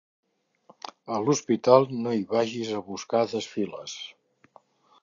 A l'hospital, no hi vagis a buscar desfiles.